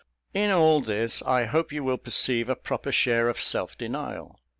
In all this I hope you will perceive a proper share of self denial.